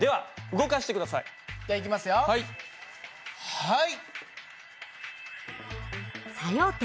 はい。